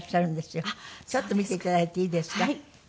ちょっと見ていただいていいですか。